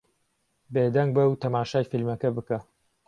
بێدەنگ بە و تەماشای فیلمەکە بکە.